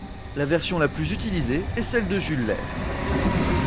La version la plus utilisée est celle de Jules Lair.